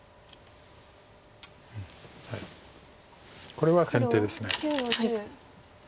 これは先手です。